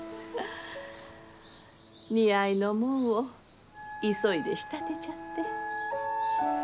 似合いのもんを急いで仕立てちゃって。